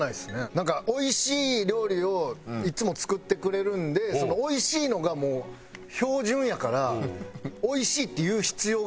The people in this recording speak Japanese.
なんかおいしい料理をいつも作ってくれるんでそのおいしいのがもう標準やから「おいしい」って言う必要がない。